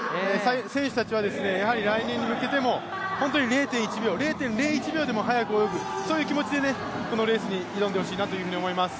選手たちは来年に向けても０．０１秒でも速く泳ぐ、そういう気持ちでこのレースに挑んでほしいと思います。